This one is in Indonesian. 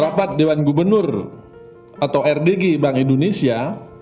rapat dewan gubernur atau rdg bank indonesia